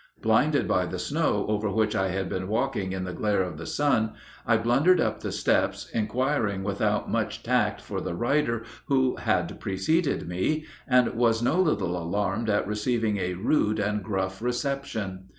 Blinded by the snow over which I had been walking in the glare of the sun, I blundered up the steps, inquiring without much tact for the rider who had preceded me, and was no little alarmed at receiving a rude and gruff reception.